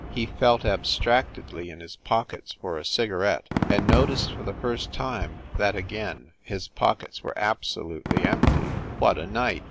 He felt abstractedly in his pockets for a cigarette, and noticed for the first time that again his pockets were absolutely empty. What a night